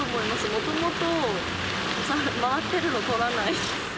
もともと回ってるの、取らないです。